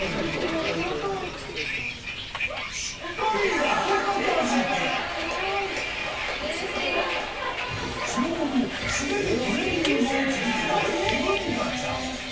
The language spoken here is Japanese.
しっかりその後も素手でトレーニングを続けたエヴニカちゃん